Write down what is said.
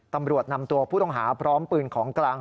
ตำรวจนำตัวผู้ต้องหาพร้อมปืนของกลาง